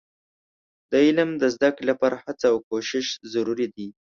د علم د زده کړې لپاره هڅه او کوښښ ضروري دي.